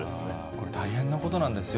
これ、大変なことなんですよ。